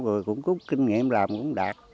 rồi cũng có kinh nghiệm làm cũng đạt